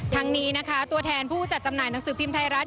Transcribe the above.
ทั้งนี้นะคะตัวแทนผู้จัดจำหน่ายหนังสือพิมพ์ไทยรัฐ